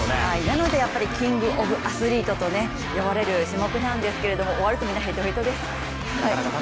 なのでキング・オブ・アスリートと呼ばれる種目なんですが終わるとみんな、へとへとです。